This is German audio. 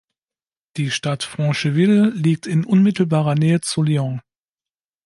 Die Stadt Francheville liegt in unmittelbarer Nähe zu Lyon.